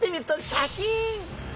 シャキーン！